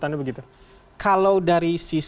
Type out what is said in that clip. tapi berarti dia juga mumbai